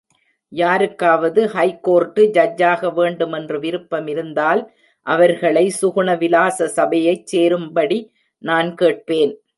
யாருக்காவது ஹைகோர்ட்டு ஜட்ஜாக வேண்டுமென்று விருப்பமிருந்தால், அவர்களை சுகுண விலாச சபையைச் சேரும்படி நான் கேட்பேன்.